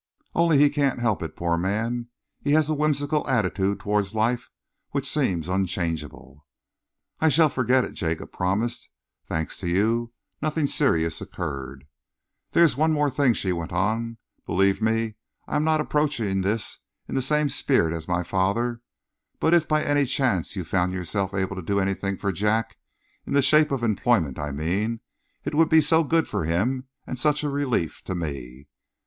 Only he can't help it, poor man. He has a whimsical attitude towards life which seems unchangeable." "I shall forget it," Jacob promised. "Thanks to you, nothing serious occurred." "There is one thing more," she went on. "Believe me, I am not approaching this in the same spirit as my father, but if by any chance you found yourself able to do anything for Jack in the shape of employment, I mean it would be so good for him and such a relief to me."